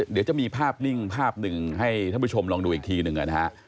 เดี๋ยวจะมีภาพนิ่งภาพหนึ่งให้ท่านผู้ชมลองดูอีกทีหนึ่งนะฮะ